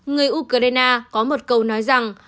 người ukraine có một câu nói rằng